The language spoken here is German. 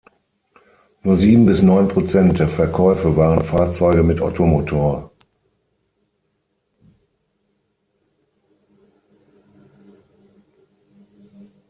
Nur sieben bis neun Prozent der Verkäufe waren Fahrzeuge mit Ottomotor.